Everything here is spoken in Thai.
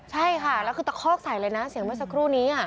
ใช่ค่ะแล้วคือตะคอกใส่เลยนะเสียงเมื่อสักครู่นี้